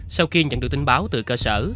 sau khi nhận được tin báo từ cơ sở